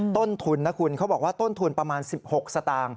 ต้นทุนนะคุณเขาบอกว่าต้นทุนประมาณ๑๖สตางค์